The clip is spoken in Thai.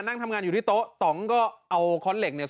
นั่งทำงานอยู่ที่โต๊ะต่องก็เอาค้อนเหล็กเนี่ย